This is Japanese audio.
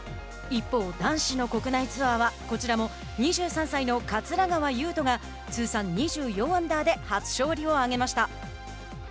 一方、男子の国内ツアーはこちらも２３歳の桂川有人が通算２４アンダーで初勝利を挙げました。